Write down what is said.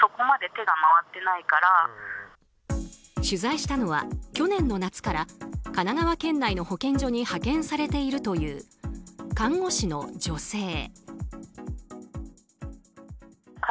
取材したのは、去年の夏から神奈川県内の保健所に派遣されているという看護師の女性。